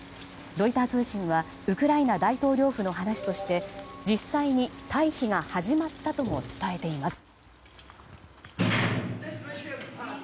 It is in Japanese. ロイター通信はウクライナ大統領府の話として実際に退避が始まったとも伝えています。